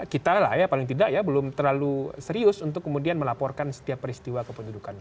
kita lah ya paling tidak ya belum terlalu serius untuk kemudian melaporkan setiap peristiwa kependudukan